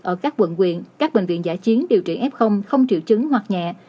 ở các quận quyện các bệnh viện giả chiến điều trị f không triệu chứng hoặc nhẹ